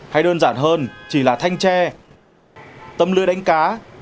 hay đơn giản hơn chỉ là thanh tre tâm lưới đánh cá